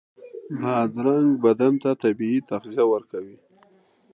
بادرنګ بدن ته طبعي تغذیه ورکوي.